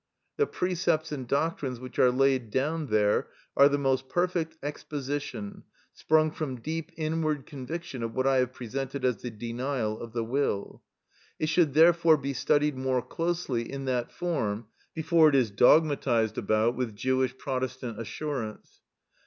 The precepts and doctrines which are laid down there are the most perfect exposition, sprung from deep inward conviction of what I have presented as the denial of the will. It should therefore be studied more closely in that form before it is dogmatised about with Jewish Protestant assurance.